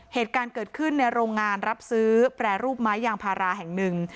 เหตุการณ์เกิดขึ้นในโรงงานรับซื้อแปรรูปไม้ยางพาราแห่งหนึ่ง